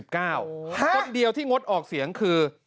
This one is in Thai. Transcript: คนเดียวที่งดออกเสียงคือ